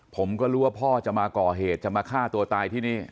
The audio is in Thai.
ผมก็รู้ว่าพ่อจะมาก่อเหตุจะมาฆ่าตัวตายที่นี่